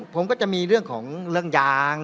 ผมก็จะมีเรื่องของเรื่องยาง